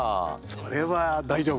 それは大丈夫。